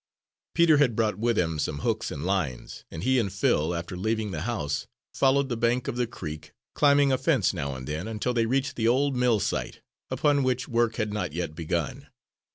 Peter had brought with him some hooks and lines, and, he and Phil, after leaving the house, followed the bank of the creek, climbing a fence now and then, until they reached the old mill site, upon which work had not yet begun.